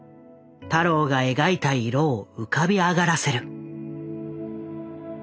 太郎が描いた色を浮かび上がらせる。